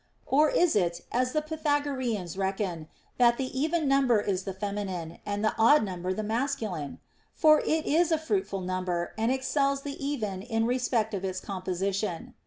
Or is it, as the Pythagoreans reckon, that the even number is the feminine, and the odd number the masculine ? For it is a fruitful number, and excels the even in respect of its composition.